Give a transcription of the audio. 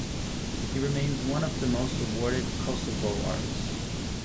He remains one of the most awarded Kosovo artists.